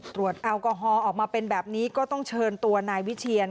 แอลกอฮอล์ออกมาเป็นแบบนี้ก็ต้องเชิญตัวนายวิเชียน